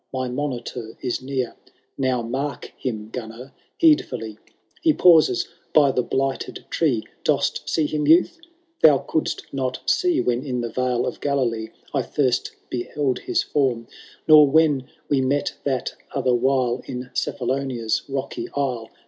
My monitor is near. Now mark him, Gunnar, heedfully ; He pauses by the blighted tree — Dost see him, youth ?— ^Thou couldst not see When in the vale of Gralilee I first beheld his form, Nor when we met that other while In Cephalonia's rocky isle.